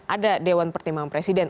ada dewan pertimbangan presiden